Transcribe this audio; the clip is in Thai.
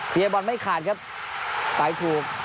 เปลี่ยนบอลไม่ขาดครับไปถูก